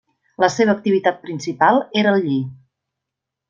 La seva activitat principal era el lli.